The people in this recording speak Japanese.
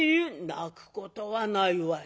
「泣くことはないわい。